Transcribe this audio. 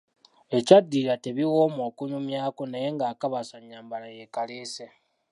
Ebyaddirira tebiwooma okunyumyako, naye ng‘akabasa nnyambala yeekaleese.